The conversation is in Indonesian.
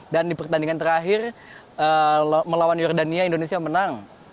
dan di pertandingan terakhir melawan yordania indonesia menang